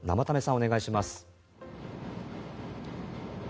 お願いします。